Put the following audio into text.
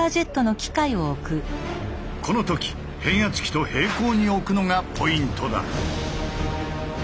この時変圧器と平行に置くのがポイントだ。